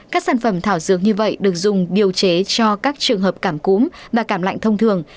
các sản phẩm thảo dược như vậy được dùng điều chế cho các trường hợp cảm cúm và cảm lạnh thông thường